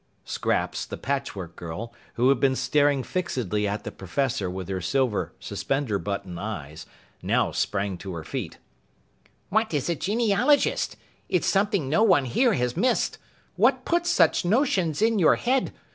Scraps, the Patchwork Girl, who had been staring fixedly at the Professor with her silver suspender button eyes, now sprang to her feet: "What is a genealogist? It's something no one here has missed; What puts such notions in your head?